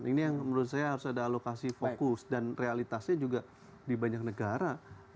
ini yang menurut saya harus ada alokasi fokus dan realitasnya juga di banyak negara